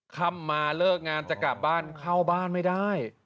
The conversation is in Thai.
ค่ำมาเลิกงานจะกลับบ้านเข้าบ้านไม่ได้